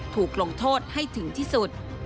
ถูกลงโทษให้ถึงที่สุด